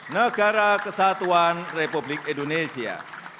negara kesatuan republik indonesia